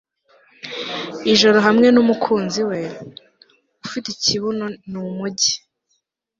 ijoro hamwe numukunzi we, ufite ikibuno ni umujyi